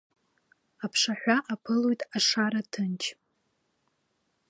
Аԥшаҳәа аԥылоит ашара ҭынч.